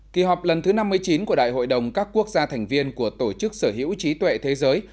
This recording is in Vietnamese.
kỳ họp lần thứ năm mươi chín của đại hội đồng các quốc gia thành viên của tổ chức sở hữu trí tuệ thế giới